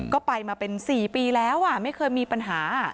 ก็ไปมาเป็น๔ปีแล้วไม่เคยมีปัญหา